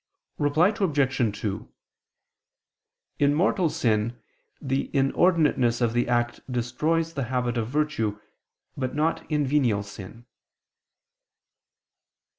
Reply Obj. 2: In mortal sin the inordinateness of the act destroys the habit of virtue, but not in venial sin.